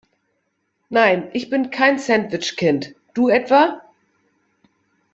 Nein, ich bin kein Sandwich-Kind. Du etwa?